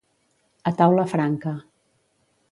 A taula franca.